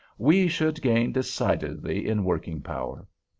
we should gain decidedly in working power.